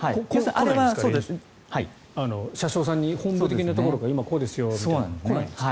車掌さんに本部的なところから今、こうですよみたいなのは来ないんですか？